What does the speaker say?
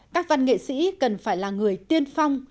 các văn nghệ sĩ cần phải là người tiên phong